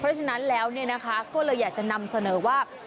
เพราะฉะนั้นแล้วก็เลยอยากจะนำเสนอว่า